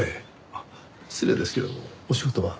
あっ失礼ですけどお仕事は？